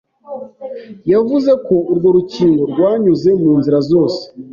yavuze ko urwo rukingo rwanyuze mu nzira zose